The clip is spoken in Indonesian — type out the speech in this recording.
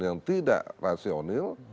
yang tidak rasional